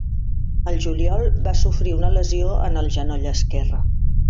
El juliol va sofrir una lesió en el genoll esquerre.